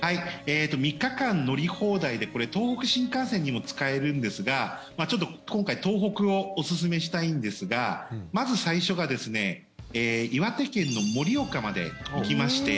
３日間乗り放題でこれ、東北新幹線にも使えるんですがちょっと今回東北をおすすめしたいんですがまず最初が岩手県の盛岡まで行きまして